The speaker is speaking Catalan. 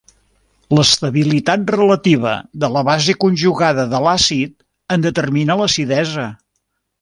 L'estabilitat relativa de la base conjugada de l'àcid en determina l'acidesa.